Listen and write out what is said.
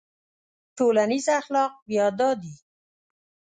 ټولنیز اخلاق بیا دا دي.